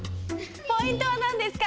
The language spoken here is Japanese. ポイントはなんですか？